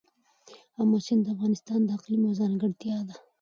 آمو سیند د افغانستان د اقلیم یوه ځانګړتیا ده.